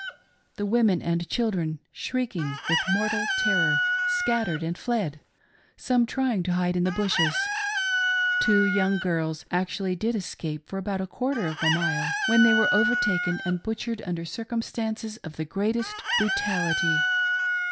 The women and children, shrieking with mortal terror, scattered and fled, some trying to hide in the bushes. T\ko young girls actually did escape for about a quarter of a mile when they were overtaken and butchered under circumstances of the greatest brutaUty.